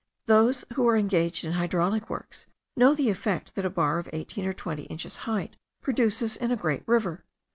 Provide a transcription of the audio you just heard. Those who are engaged in hydraulic works know the effect that a bar of eighteen or twenty inches' height produces in a great river.